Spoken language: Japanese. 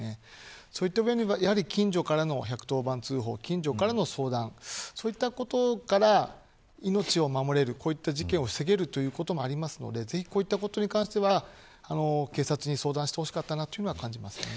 そういった意味では近所からの１１０番通報近所からの相談そうしたことから命を守りこうした事件を防げるということがありますのでこういうことに関しては、警察に相談してほしかったと感じます。